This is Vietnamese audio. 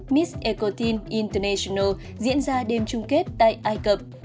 miss echotin international diễn ra đêm chung kết tại ai cập